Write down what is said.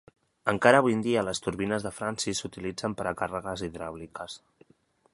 Encara avui en dia les turbines de Francis s'utilitzen per a càrregues hidràuliques.